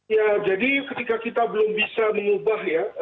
ya jadi ketika kita belum bisa mengubah ya